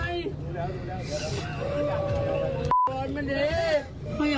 มันเกิดเหตุเป็นเหตุที่บ้านกลัว